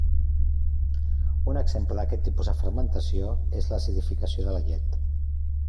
Un exemple d'aquest tipus de fermentació és l'acidificació de la llet.